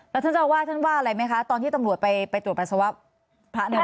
แล้วท่านจะว่าอะไรไหมคะตอนที่ตำรวจไปตรวจปัสสาวะพระในวัด